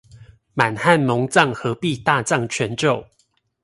滿漢蒙藏合璧大藏全咒